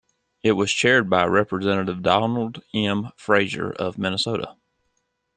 It was chaired by Representative Donald M. Fraser of Minnesota.